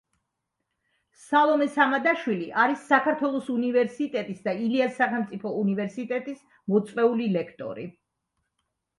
სალომე სამადაშვილი არის საქართველოს უნივერსიტეტის და ილიას სახელმწიფო უნივერსიტეტის მოწვეული ლექტორი.